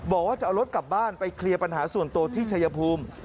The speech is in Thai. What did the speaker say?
บอกว่าจะเอารถกลับบ้านไปเคลียร์ปัญหาส่วนตัวที่ชายภูมิ